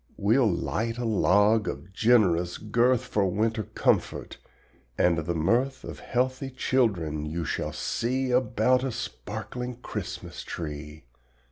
We'll light a log of generous girth For winter comfort, and the mirth Of healthy children you shall see About a sparkling Christmas tree.